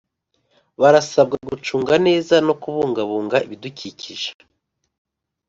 Baarasabwa gucunga neza no kubungabunga ibidukikije